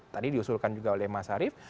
tadi diusulkan juga oleh mas arief